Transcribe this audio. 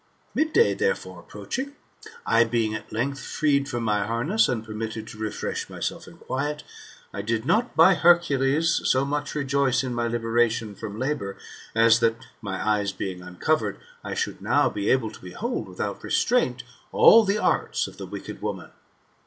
Mid day therefore approaching, I being at length freed from my harness, and pomitted to refresh myself in quiet, I did not, by Hercules^ so much rejoice in libetation from labour, as that, my eyes being uncovared, I should now be able to behold, without restraint, all the arts of the wicked woman.